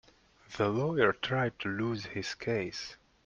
The lawyer tried to lose his case.